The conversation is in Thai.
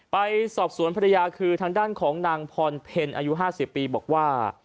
ไปสอบสวนภรรยาคือทางด้านของนางพรเพลอายุ๕๐ปีบอกว่า